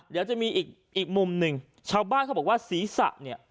เดี๋ยวจะมีอีกมุมหนึ่งชาวบ้านเขาบอกว่าศีรษะเนี่ย